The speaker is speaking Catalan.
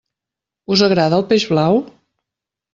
Us agrada el peix blau?